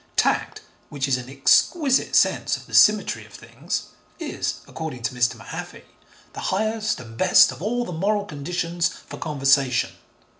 Tact, which is an exquisite sense of the symmetry of things, is, according to Mr. Mahaffy, the highest and best of all the moral conditions for conversation.